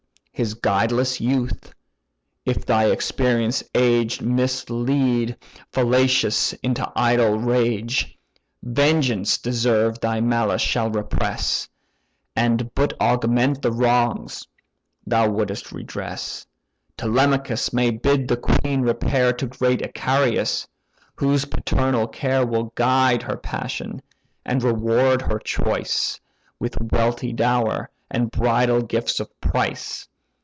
His guideless youth, if thy experienced age Mislead fallacious into idle rage, Vengeance deserved thy malice shall repress. And but augment the wrongs thou would'st redress, Telemachus may bid the queen repair To great Icarius, whose paternal care Will guide her passion, and reward her choice With wealthy dower, and bridal gifts of price.